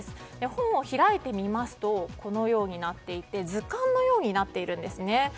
本を開いてみますとこのようになっていて図鑑のようになっているんですね。